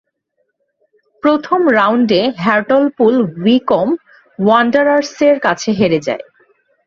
প্রথম রাউন্ডে হ্যার্টলপুল উইকোম্ব ওয়ান্ডারার্সের কাছে হেরে যায়।